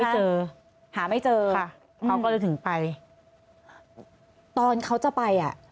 เจอหาไม่เจอค่ะเขาก็เลยถึงไปตอนเขาจะไปอ่ะ